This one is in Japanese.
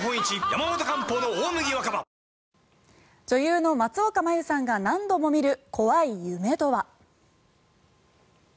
女優の松岡茉優さんが何度も見る怖い夢とは。